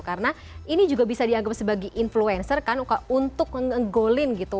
karena ini juga bisa dianggap sebagai influencer kan untuk menggolin gitu